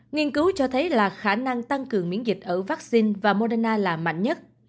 nghiên cứu cho thấy là khả năng tăng cường miễn dịch ở vaccine và moderna là mạnh nhất